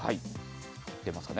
出ますかね。